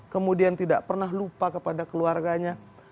kemudian tidak pernah lupa kepada keluarganya